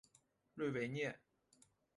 瑞维涅。